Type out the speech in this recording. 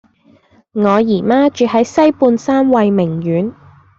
我姨媽住喺西半山慧明苑